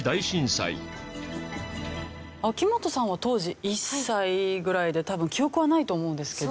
秋元さんは当時１歳ぐらいで多分記憶はないと思うんですけど。